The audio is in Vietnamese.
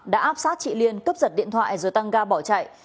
đã áp sát chị liên cấp giật điện thoại rồi tăng ga bỏ chạy